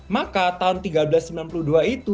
maka tahun seribu tiga ratus sembilan puluh dua itu